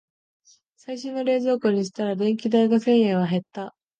最新の冷蔵庫にしたら電気代が千円は減った